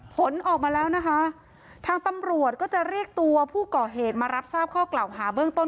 ผลออกมาแล้วนะคะทางตำรวจก็จะเรียกตัวผู้ก่อเหตุมารับทราบข้อกล่าวหาเบื้องต้น